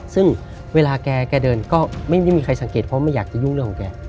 ซึ่งเวลาแกเดินก็ไม่มีใครสังเกตเพราะไม่อยากจะยุ่งเรื่องของแก